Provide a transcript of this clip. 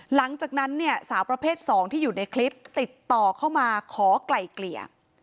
หลังจากนั้นเนี่ยสาวประเภท๒ที่อยู่ในคลิปติดต่อเข้ามาขอไกล่เกลี่ย